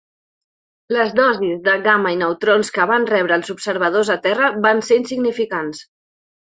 Les dosis de gamma i neutrons que van rebre els observadors a terra van ser insignificants.